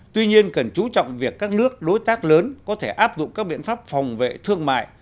tuy nhiên cần chú trọng việc các nước đối tác lớn có thể áp dụng các biện pháp phòng vệ thương mại